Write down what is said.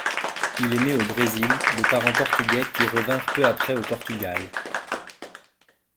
Il est né au Brésil, de parents portugais qui revinrent peu après au Portugal.